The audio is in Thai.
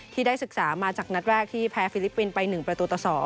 ที่ได้ศึกษามาจากนัดแรกที่แพ้ฟิลิปปินส์ไป๑ประตูต่อ๒